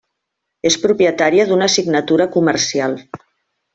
És propietària d'una signatura comercial.